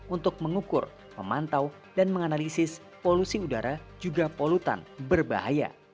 untuk mengukur memantau dan menganalisis polusi udara juga polutan berbahaya